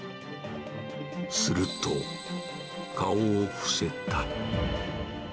すると、顔を伏せた。